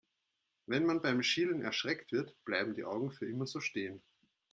Wenn man beim Schielen erschreckt wird, bleiben die Augen für immer so stehen.